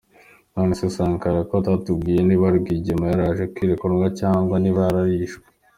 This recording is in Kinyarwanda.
None se Sankara, ko utatubwiye niba Rwigema yaraje kurekurwa, cyangwa niba yarishwe?